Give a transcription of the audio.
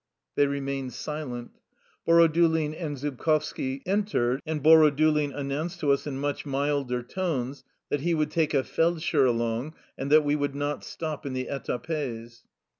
" They remained silent. Borodulin and Zub kovski entered, and Borodulin announced to us in much milder tones that he would take a feldsher'^ along and that we would not stop in the etapes.